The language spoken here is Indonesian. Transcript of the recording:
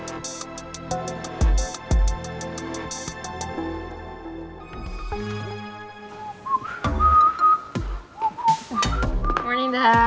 selamat pagi pak